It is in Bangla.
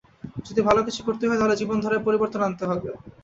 যদি ভালো কিছু করতেই হয়, তাহলে জীবনধারায় পরিবর্তন আনতে হবে।